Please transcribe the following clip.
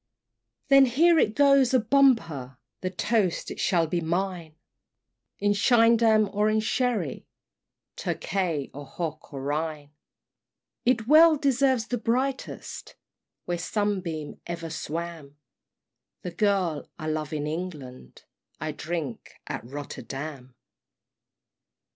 VII. Then here it goes, a bumper The toast it shall be mine, In schiedam, or in sherry, Tokay, or hock of Rhine; It well deserves the brightest, Where sunbeam ever swam "The Girl I love in England" I drink at Rotterdam!